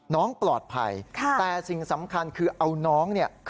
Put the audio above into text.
น้องปลอดภัย